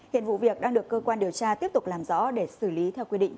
hiện vụ việc đang được cơ quan điều tra tiếp tục làm rõ để xử lý theo quy định